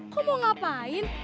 kok mau ngapain